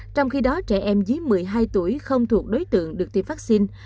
trong khi đó trẻ em dưới một mươi hai tuổi không thuộc đối tượng được tiêm vaccine